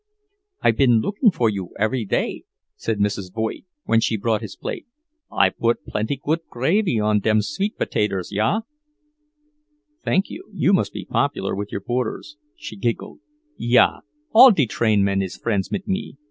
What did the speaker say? "I been lookin' for you every day," said Mrs. Voigt when she brought his plate. "I put plenty good gravy on dem sweet pertaters, ja." "Thank you. You must be popular with your boarders." She giggled. "Ja, all de train men is friends mit me.